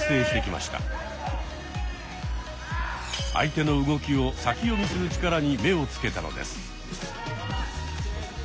相手の動きを先読みする力に目を付けたのです。